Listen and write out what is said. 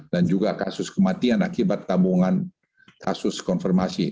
dan juga kasus kematian akibat tambungan kasus konfirmasi